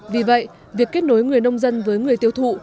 vì vậy việc kết nối người nông dân với người tiêu thụ